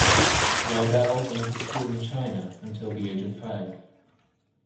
Liddell went to school in China until the age of five.